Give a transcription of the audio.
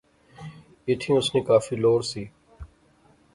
ایتھیں اس نی کافی لوڑ سی